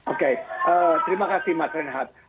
oke terima kasih mas renhat